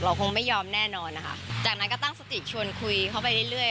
เราคงไม่ยอมแน่นอนจากนั้นก็ตั้งสติจชวนคุยเข้าไปเรื่อย